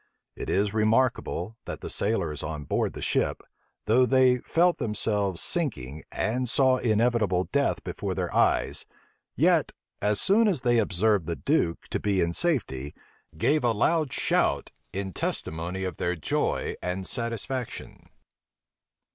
It is remarkable, that the sailors on board the ship, though they felt themselves sinking, and saw inevitable death before their eyes, yet, as soon as they observed the duke to be in safety, gave a loud shout, in testimony of their joy and satisfaction.